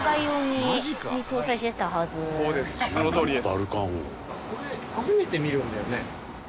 そのとおりです。